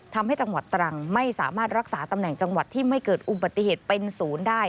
ทำให้จังหวัดตรังไม่สามารถรักษาตำแหน่งจังหวัดที่ไม่เกิดอุบัติเหตุเป็นศูนย์ได้